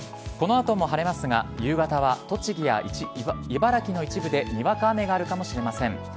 この後も晴れますが夕方は栃木や茨城の一部でにわか雨があるかもしれません。